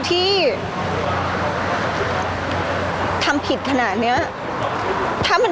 พี่ตอบได้แค่นี้จริงค่ะ